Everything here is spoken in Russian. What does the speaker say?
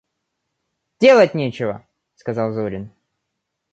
«Делать нечего! – сказал Зурин.